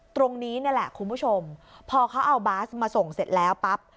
ตรงนี้นี่แหละคุณผู้ชมพอเขาเอาบาสมาส่งเสร็จแล้วปั๊บ